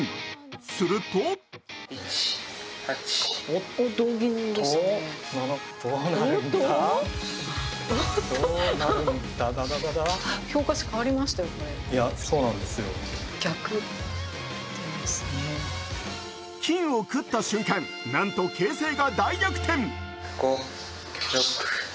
すると金をくった瞬間、なんと形勢が大逆転。